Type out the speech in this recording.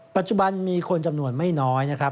ปัจจุบันมีคนจำนวนไม่น้อยนะครับ